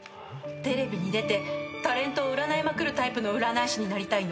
テレビに出てタレントを占いまくるタイプの占い師になりたいの。